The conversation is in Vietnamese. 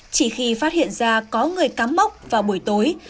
chỉ khi phát hiện ra có người cắm mốc vào buổi tối